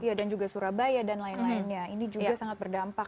iya dan juga surabaya dan lain lainnya ini juga sangat berdampak